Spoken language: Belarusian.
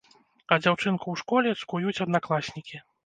А дзяўчынку ў школе цкуюць аднакласнікі.